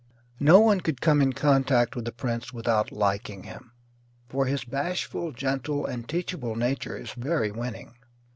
No one could come in contact with the prince without liking him, for his bashful, gentle, and teachable nature is very winning.